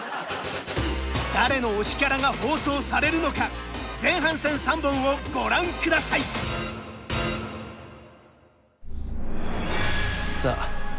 誰の推しキャラが放送されるのか前半戦３本をご覧ください！